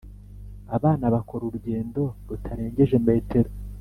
abana bakora urugendo rutarengeje metero